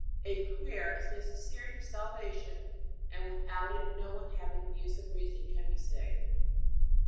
A. Prayer is necessary to salvation, and without it no one having the use of reason can be saved.